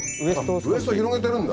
あっウエスト広げてるんだ。